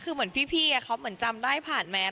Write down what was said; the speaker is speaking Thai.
คือเหมือนพี่เขาเหมือนจำได้ผ่านมา